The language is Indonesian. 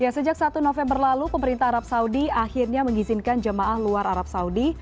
sejak satu november lalu pemerintah arab saudi akhirnya mengizinkan jemaah luar arab saudi